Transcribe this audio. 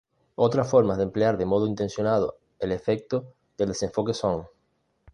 Otras formas de emplear de modo intencionado el efecto del desenfoque son;